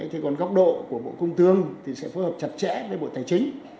thế còn góc độ của bộ công thương thì sẽ phối hợp chặt chẽ với bộ tài chính